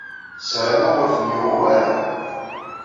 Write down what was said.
Sarameɣ ur ten-yuɣ wara.